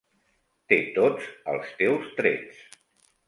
Té tots els teus trets.